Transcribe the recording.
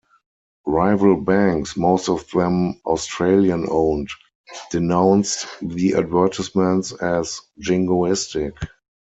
Rival banks, most of them Australian-owned, denounced the advertisements as jingoistic.